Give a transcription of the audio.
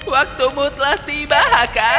waktumu telah tiba haka